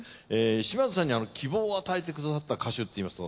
島津さんに希望を与えてくださった歌手っていいますと？